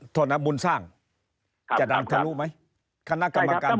ธนบุญสร้างจะดังคลุมไหมคณะกรรมการช่วงนี้